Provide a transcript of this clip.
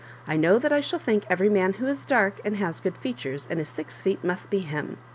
"I know that I shall think every man who is dark, and has good features, and is six feet, must be him.